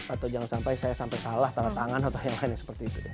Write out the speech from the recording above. atau jangan sampai saya sampai salah tanda tangan atau yang lain seperti itu